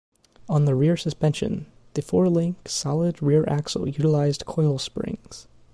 On the rear suspension, the four-link solid rear axle utilized coil springs.